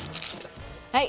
はい。